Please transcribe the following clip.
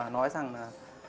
nói rằng là